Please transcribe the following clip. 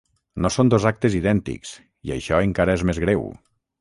No són dos actes idèntics, i això encara és més greu.